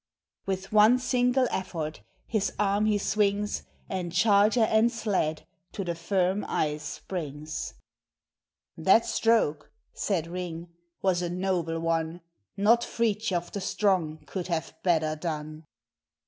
With one single effort his arm the swings, And charger and sled to the firm ice brings. "That stroke," said Ring, "was a noble one, Not Fridthjof, the strong, could have better done."